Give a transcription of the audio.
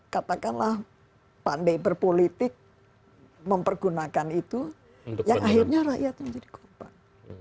katakanlah pandai berpolitik mempergunakan itu yang akhirnya rakyatnya menjadi korban